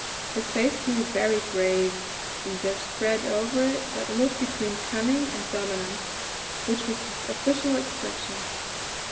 His face grew very grave, and there spread over it that look between cunning and dominance which was his official expression.